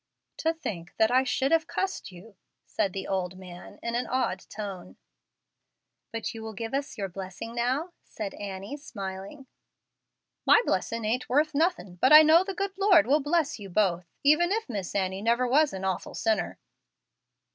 "To think that I should have cussed you!" said the old man, in an awed tone. "But you will give us your blessing, now?" said Annie, smiling. "My blessin' ain't worth nothin'; but I know the good Lord will bless you both, even if Miss Annie never was an awful sinner."